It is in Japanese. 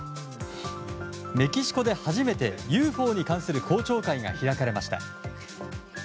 メキシコで初めてＵＦＯに関する公聴会が開かれました。